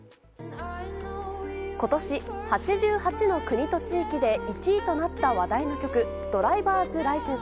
今年８８の国と地域で１位となった話題の曲「ドライバーズ・ライセンス」。